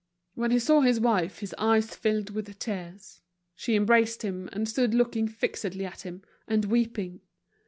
When he saw his wife his eyes filled with tears. She embraced him, and stood looking fixedly at him, and weeping.